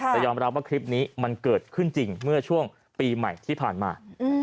แต่ยอมรับว่าคลิปนี้มันเกิดขึ้นจริงเมื่อช่วงปีใหม่ที่ผ่านมา